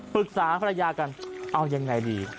ปรึกษาภรรยากันเอายังไงดี